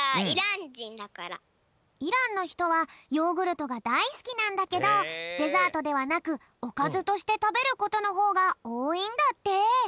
イランのひとはヨーグルトがだいすきなんだけどデザートではなくおかずとしてたべることのほうがおおいんだって。